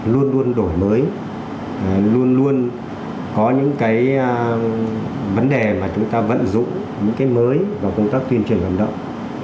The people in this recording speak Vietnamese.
luôn luôn đổi mới luôn luôn có những cái vấn đề mà chúng ta vận dụng những cái mới vào công tác tuyên truyền vận động